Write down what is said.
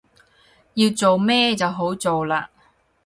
要做咩就好做喇